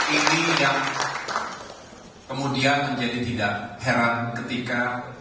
ini yang kemudian menjadi tidak heran ketika